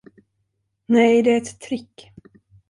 Nej, det är ett trick.